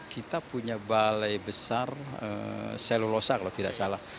kita punya balai besar selulosa kalau tidak salah